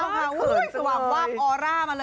เกร๊สก่านเกล้านะคะ